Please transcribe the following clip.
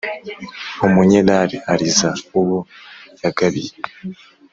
umunyerari ariza uwo yagabiye.